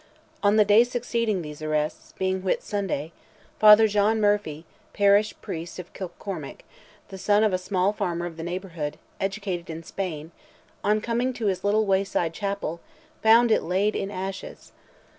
On the day succeeding these arrests, being Whitsunday, Father John Murphy, parish priest of Kilcormick, the son of a small farmer of the neighbourhood, educated in Spain, on coming to his little wayside chapel, found it laid in ashes.